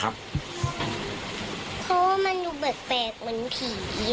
เพราะว่ามันดูแปลกเหมือนผี